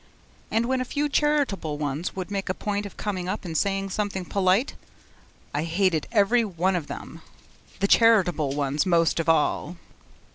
And then a few charitable ones would make a point of coming up and saying something polite. I HATED EVERY ONE OF THEM the charitable ones most of all.